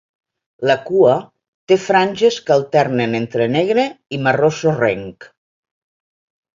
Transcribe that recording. La cua té franges que alternen entre negre i marró sorrenc.